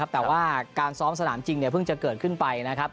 แต่ว่าการซ้อมสนามจริงเพิ่งจะเกิดขึ้นไปนะครับ